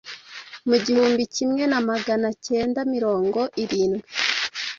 mu gihumbi kimwe magana kenda mirongo irindwi